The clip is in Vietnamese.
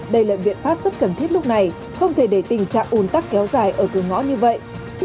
đây là biện pháp rất cần thiết lúc này không thể để tình trạng ùn tắc kéo dài ở cửa ngõ như vậy